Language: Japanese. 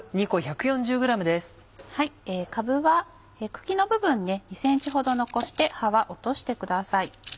かぶは茎の部分を２ｃｍほど残して葉は落としてください。